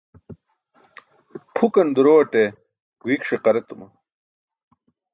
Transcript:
Pʰukan durowaṭe guik ṣiqar etuma.